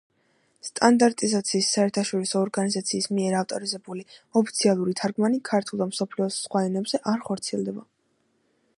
სტანდარტიზაციის საერთაშორისო ორგანიზაციის მიერ ავტორიზირებული ოფიციალური თარგმანი ქართულ და მსოფლიოს სხვა ენებზე არ ხორციელდება.